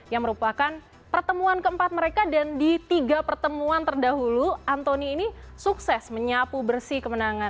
yang merupakan pertemuan keempat mereka dan di tiga pertemuan terdahulu anthony ini sukses menyapu bersih kemenangan